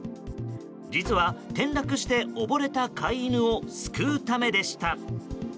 実は、転落して溺れた飼い犬を救うためでした。